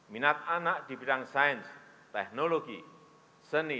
minat anak di bidang sains teknologi seni